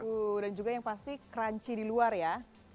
wuh dan juga yang pasti crunchy di luar ya